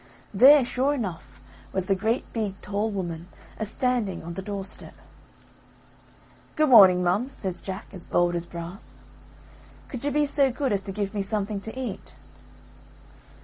There, sure enough, was the great big tall woman a standing on the door step. "Good morning, mum," says Jack, as bold as brass, "could you be so good as to give me something to eat?"